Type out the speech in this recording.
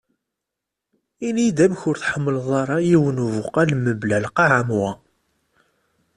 Ini-yi-d amek ur tḥemleḍ ara yiwen ubuqal mebla lqaɛ am wa.